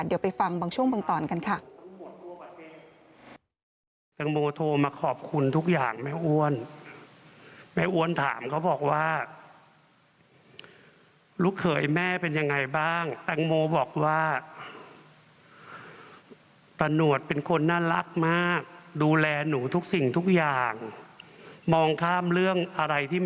เดี๋ยวไปฟังบางช่วงบางตอนกันค่ะ